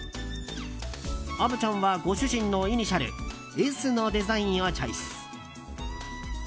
虻ちゃんはご主人のイニシャルＳのデザインをチョイス。